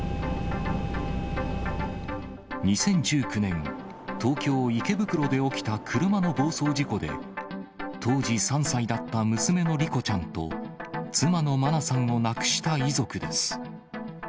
２０１９年、東京・池袋で起きた車の暴走事故で、当時３歳だった娘の莉子ちゃんと妻の真菜さんを亡くした遺族です。